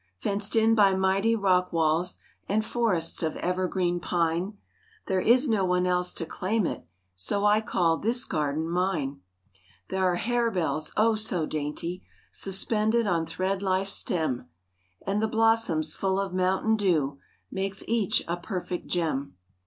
Fenced in by mighty rock walls And forests of evergreen pine, There is no one else to claim it, So I call this garden mine. There are hair bells, oh! so dainty Suspended on thread life stem, And the blossoms full of mountain dew Makes each a perfect gem.